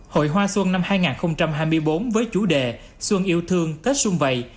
hội hoa xuân năm hai nghìn hai mươi bốn với chủ đề xuân yêu thương tết xuân vầy